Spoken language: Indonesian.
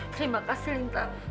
terima kasih lintang